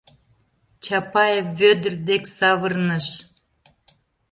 Чапаев Вӧдыр дек савырныш: